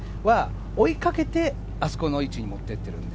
追いかけて、あそこの位置に持って行っている。